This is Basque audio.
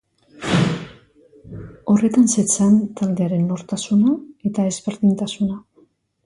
Horretan zetzan taldearen nortasuna eta ezberdintasuna.